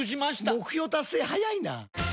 目標達成早いな！